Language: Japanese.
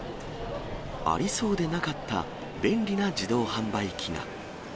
ありそうでなかった便利な自動販売機が。